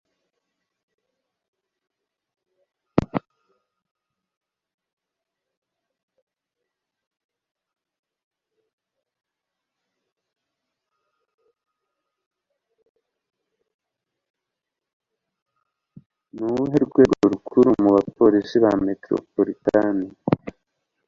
Nuwuhe Rwego Rukuru Mubapolisi ba Metropolitan?